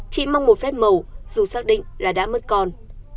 chị mong một phép màu dù xác định là đã mất con